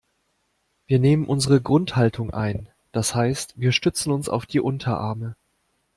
Wir nehmen unsere Grundhaltung ein, das heißt wir stützen uns auf die Unterarme.